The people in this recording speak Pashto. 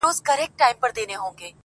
ټیک راسره وژړل پېزوان راسره وژړل.!